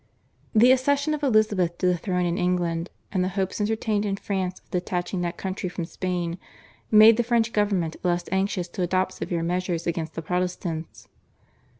The accession of Elizabeth to the throne in England, and the hopes entertained in France of detaching that country from Spain made the French government less anxious to adopt severe measures against the Protestants.